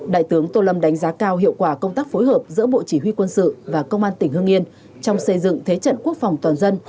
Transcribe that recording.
đại tướng tô lâm đánh giá cao hiệu quả công tác phối hợp giữa bộ chỉ huy quân sự và công an tỉnh hương yên trong xây dựng thế trận quốc phòng toàn dân